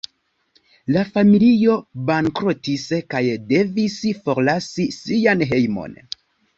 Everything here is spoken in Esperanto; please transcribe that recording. La familio bankrotis kaj devis forlasi sian hejmon.